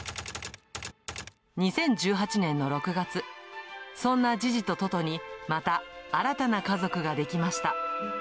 ２０１８年の６月、そんなジジとトトに、また新たな家族が出来ました。